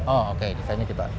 oh oke desainnya kita